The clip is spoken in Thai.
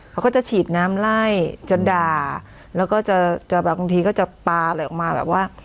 เขาก็จะฉีดน้ำไล่จะด่าแล้วก็จะจะแบบบางทีก็จะปลาอะไรออกมาแบบว่า